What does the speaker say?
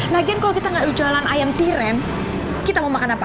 lagian kalau kita nggak jualan ayam tirem kita mau makan apa